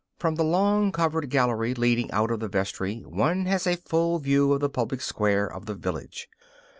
From the long covered gallery leading out of the vestry one has a full view of the public square of the village.